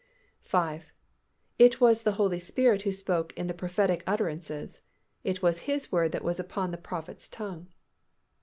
5. _It was the Holy Spirit who spoke in the prophetic utterances. It was His word that was upon the prophet's tongue.